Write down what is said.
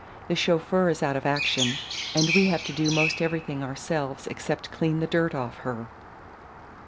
The chauffeur is out of action, and we have to do 'most everything ourselves except clean the dirt off her."